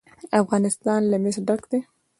افغانستان له مس ډک دی.